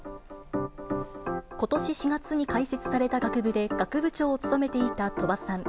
ことし４月に開設された学部で学部長を務めていた鳥羽さん。